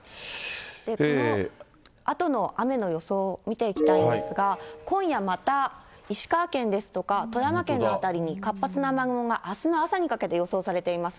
このあとの雨の予想を見ていきたいんですが、今夜また石川県ですとか、富山県の辺りに、活発な雨雲があすの朝にかけて予想されています。